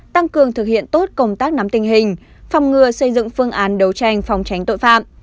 tăng cường thực hiện tốt công tác nắm tình hình phòng ngừa xây dựng phương án đấu tranh phòng tránh tội phạm